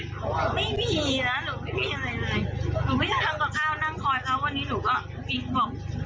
หนูไม่ได้ทำก่อข้าวนั่งคอยครับวันนี้หนูก็กินของ